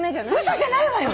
嘘じゃないわよ！